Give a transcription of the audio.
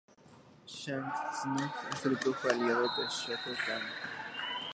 Shang Tsung: es un brujo aliado de Shao Kahn.